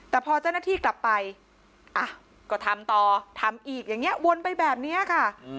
แต่พอเจ้าหน้าที่กลับไปก็ทำต่อทำอีกอย่างนี้วนไปแบบนี้ค่ะ